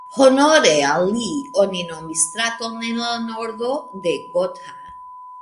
Honore al li oni nomis straton en la nordo de Gotha.